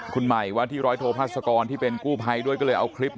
คุณใหม่ว่าที่ร้อยโทพัศกรที่เป็นกู้ภัยด้วยก็เลยเอาคลิป